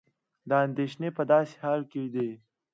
دا اندېښنې په داسې حال کې دي